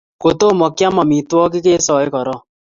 Kotomo keam amitwogik kisae koron